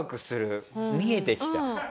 見えてきた。